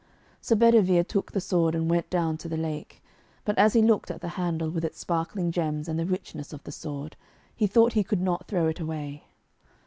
Sir Bedivere took the sword and went down to the lake. But as he looked at the handle with its sparkling gems and the richness of the sword, he thought he could not throw it away.